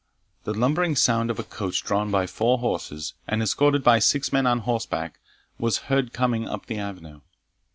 The lumbering sound of a coach drawn by four horses, and escorted by six men on horseback, was heard coming up the avenue.